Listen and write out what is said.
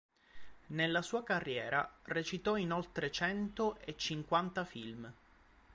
Nella sua carriera recitò in oltre cento e cinquanta film.